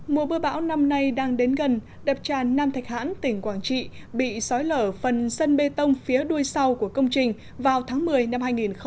mùa bưa bão năm nay đang đến gần đập tràn nam thạch hãn tỉnh quảng trị bị sói lở phần sân bê tông phía đuôi sau của công trình vào tháng một mươi năm hai nghìn một mươi tám